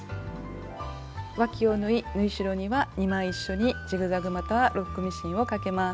わきを縫い縫い代には２枚一緒にジグザグまたはロックミシンをかけます。